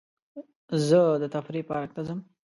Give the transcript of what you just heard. زه د تفریح پارک ته ځم.